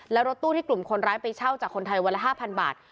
แล้วรถตู้ที่กลุ่มคนร้ายไปเช่าจากคนไทยวันละ๕๐๐บาท